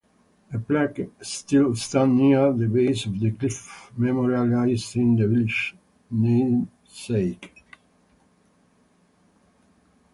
A plaque still stands near the base of the cliff, memorializing the village's namesake.